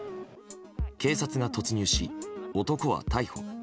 警察が突入し、男は逮捕。